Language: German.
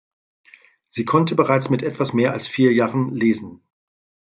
Sie konnte bereits mit etwas mehr als vier Jahren lesen.